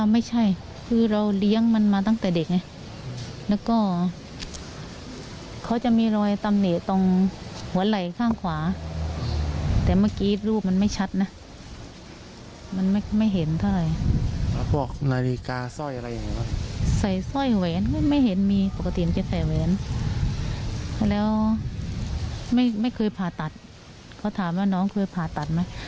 ไม่เคยผ่าตัดเค้าถามว่าน้องเคยผ่าตัดไหม